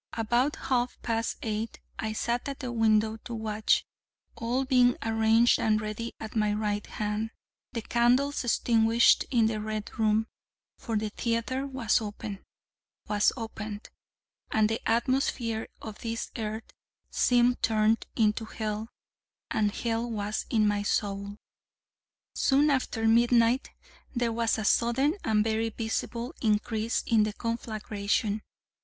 About half past eight I sat at the window to watch, all being arranged and ready at my right hand, the candles extinguished in the red room: for the theatre was opened, was opened: and the atmosphere of this earth seemed turned into Hell, and Hell was in my soul. Soon after midnight there was a sudden and very visible increase in the conflagration.